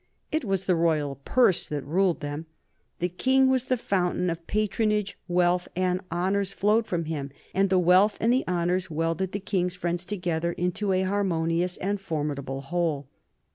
It was the royal purse that ruled them. The King was the fountain of patronage; wealth and honors flowed from him; and the wealth and the honors welded the King's friends together into a harmonious and formidable whole.